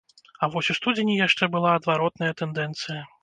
А вось у студзені яшчэ была адваротная тэндэнцыя.